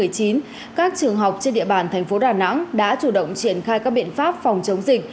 các trường học trên địa bàn thành phố đà nẵng đã chủ động triển khai các biện pháp phòng chống dịch